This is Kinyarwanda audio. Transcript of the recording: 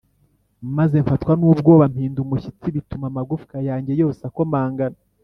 maze mfatwa n’ubwoba mpinda umushyitsi, bituma amagufwa yanjye yose akomangana,